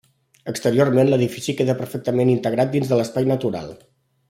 Exteriorment l'edifici queda perfectament integrat dins de l'espai natural.